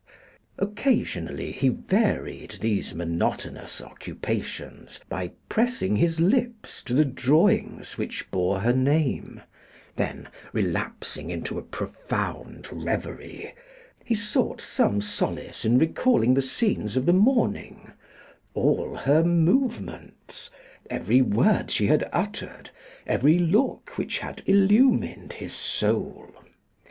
Occasionally he varied these monotonous occupations, by pressing his lips to the drawings which bore her name; then relapsing into a profound reverie, he sought some solace in recalling the scenes of the morning, all her movements, every word she had uttered, every look which had illumined his soul.